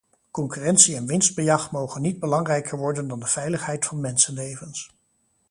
Concurrentie en winstbejag mogen niet belangrijker worden dan de veiligheid van mensenlevens.